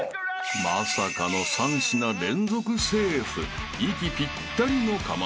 ［まさかの３品連続セーフ息ぴったりのかまチョコ］